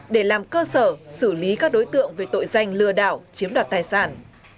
để làm cơ sở xử lý các đối tượng về tội danh lừa đảo chiếm đoạt tài sản